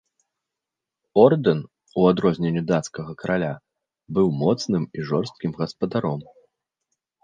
Ордэн, у адрозненне дацкага караля, быў моцным і жорсткім гаспадаром.